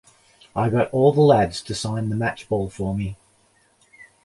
I got all the lads to sign the match ball for me.